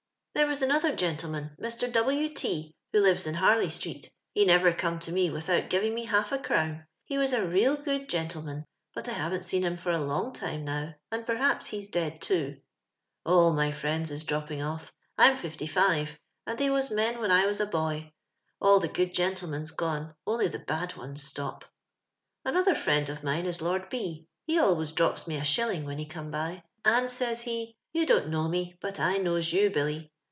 " There was another gentleman, Mr. W. T , who lives in Harley>street ; he nerer come by me without giving mo half a orown. He was a real good gentleman ; but I haven't seen liim for a long time now, and porhapi he's dead too. " All my friends is dropping off. I'm fifty. five, and tliey was men when 1 was a l>oy. All tho good gentlemen's gone, only the lad ones stoj). ♦* Another friend of mine is Loni B . lie always drops mo a shilling when he come by; and, says he, * You don't know me, bat I knows you, Billy.'